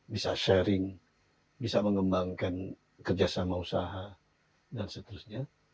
bisa sharing bisa mengembangkan kerja sama usaha dan seterusnya